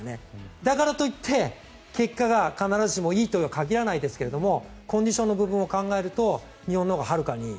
だからといって、結果が必ずしもいいとは限らないですがコンディションの部分を考えると日本のほうがはるかにいい。